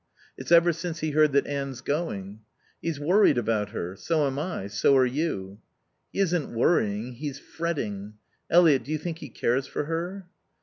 "It's ever since he heard that Anne's going." "He's worried about her. So am I. So are you." "He isn't worrying. He's fretting.... Eliot do you think he cares for her?"